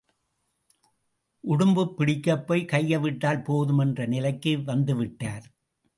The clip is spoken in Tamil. உடும்பு பிடிக்கப்போய் கையை விட்டால் போதும் என்ற நிலைக்கு வந்து விட்டார்.